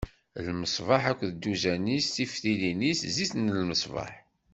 lmeṣbaḥ akked dduzan-is, tiftilin-is, zzit n lmeṣbaḥ.